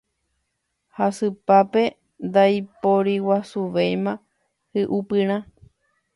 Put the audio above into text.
Jasypápe ndaiporiguasuvéima hi'upyrã.